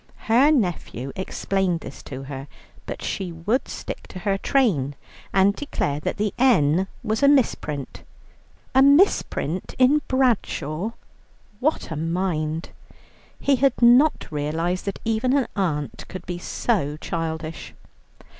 Her nephew explained this to her, but she would stick to her train, and declare that the "N." was a misprint. A misprint in Bradshaw. What a mind! He had not realized that even an aunt could be so childish.